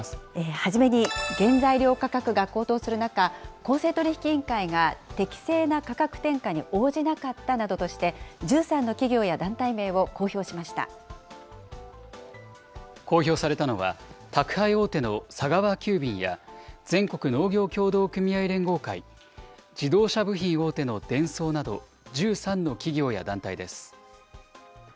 初めに、原材料価格が高騰する中、公正取引委員会が、適正な価格転嫁に応じなかったなどとして、１３の企業や団体名を公表されたのは、宅配大手の佐川急便や、全国農業協同組合連合会、自動車部品大手のデンソーなど、１３の企業や団体です。